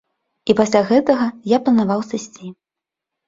І пасля гэтага я планаваў сысці.